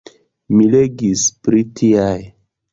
Mi legis pri tiaj.